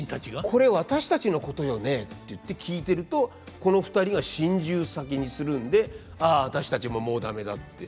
「これ私たちのことよね」っていって聞いてるとこの２人が心中先にするんで「ああ私たちももう駄目だ」って。